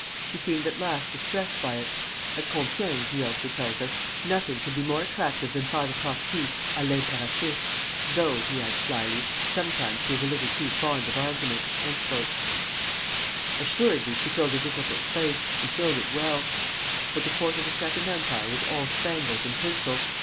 She seemed at last distressed by it.... At Compiègne," he also tells us, "nothing can be more attractive than five o'clock tea à l'impératrice; though," he adds slyly, "sometimes she is a little too fond of argument." Assuredly she filled a difficult place, and filled it well; but the court of the Second Empire was all spangles and tinsel.